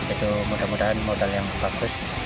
itu mudah mudahan modal yang bagus